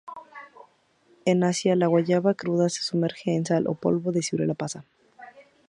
En Asia, la guayaba cruda se sumerge en sal o polvo de ciruela pasa.